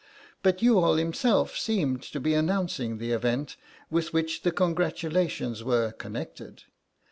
But Youghal himself seemed to be announcing the event with which the congratulations were connected.